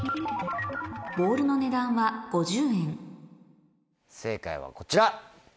ボールの値段は５０円正解はこちら。